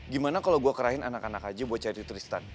gimana kalau gue kerahin anak anak aja buat cari tristan